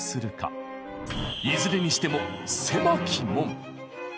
いずれにしても狭き門！